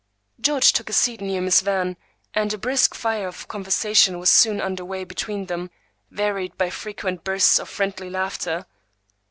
George took a seat near Miss Van, and a brisk fire of conversation was soon under way between them, varied by frequent bursts of friendly laughter.